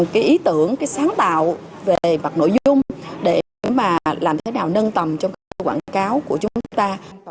những ý tưởng sáng tạo về mặt nội dung để làm thế nào nâng tầm trong các quảng cáo của chúng ta